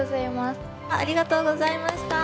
ありがとうございます。